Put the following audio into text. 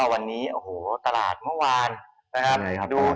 วันนี้ตลาดเมื่อวานดูเหนียวเหงาครับ